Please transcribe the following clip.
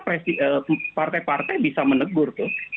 partai partai bisa menegur